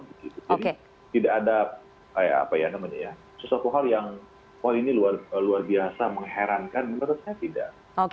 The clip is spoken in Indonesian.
jadi tidak ada sesuatu hal yang kalau ini luar biasa mengherankan menurut saya tidak